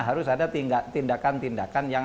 harus ada tindakan tindakan yang